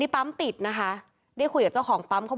ขอบคุณครับ